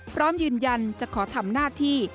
พร้อมยืนยันจะขอทำหน้าที่